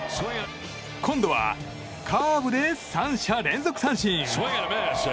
今度はカーブで３者連続三振！